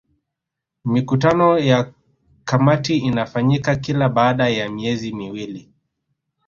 Mikutano ya kamati inafanyika kila baada ya miezi miwili